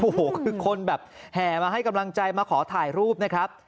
โอ้โหคือคนแบบแห่มาให้กำลังใจมาขอถ่ายรูปนะครับ